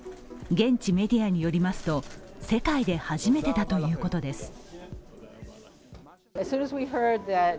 現地メディアによりますと、世界で初めてだということです。